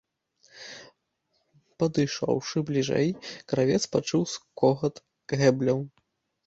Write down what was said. Падышоўшы бліжэй, кравец пачуў скогат гэбляў.